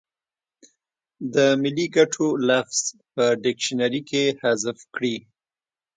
د ملي ګټو لفظ په ډکشنري کې حذف کړي.